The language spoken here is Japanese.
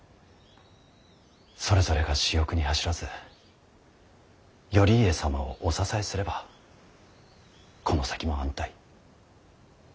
それぞれが私欲に走らず頼家様をお支えすればこの先も安泰。